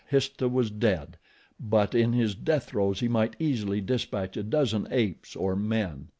Histah was dead, but in his death throes he might easily dispatch a dozen apes or men.